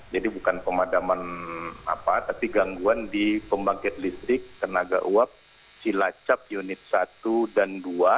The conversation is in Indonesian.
jadi bukan pemadaman apa tapi gangguan di pembangkit listrik tenaga uap cilacap unit satu dan dua